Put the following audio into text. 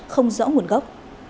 không rõ nguồn gốc